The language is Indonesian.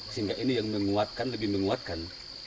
sehingga ini yang menguatkan lebih menguatkan